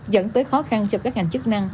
dẫn tới khó khăn cho các ngành chức năng